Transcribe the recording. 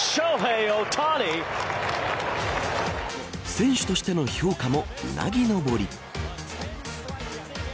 選手としての評価もうなぎのぼり。